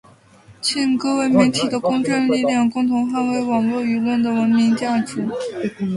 请各位媒体的公正力量，共同捍卫网络舆论的文明价值